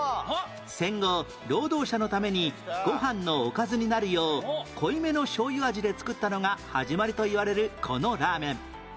戦後労働者のためにご飯のおかずになるよう濃いめのしょうゆ味で作ったのが始まりといわれるこのラーメン